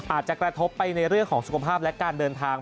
อาจจะกระทบไปในเรื่องของสุขภาพและการเดินทาง